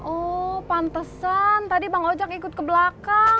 oh pantesan tadi bang ojek ikut ke belakang